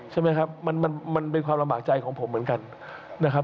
ใช่ไหมครับมันมันเป็นความลำบากใจของผมเหมือนกันนะครับ